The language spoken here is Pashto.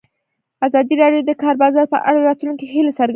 ازادي راډیو د د کار بازار په اړه د راتلونکي هیلې څرګندې کړې.